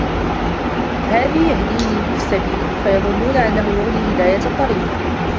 هَادٍ يَهْدِينِي السَّبِيلَ فَيَظُنُّونَ أَنَّهُ يَعْنِي هِدَايَةَ الطَّرِيقِ